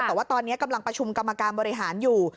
แต่ว่าตอนนี้กำลังประชุมกรรมการบริหารอยู่